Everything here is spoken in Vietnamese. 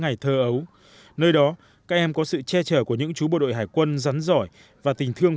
ngày thơ ấu nơi đó các em có sự che chở của những chú bộ đội hải quân rắn giỏi và tình thương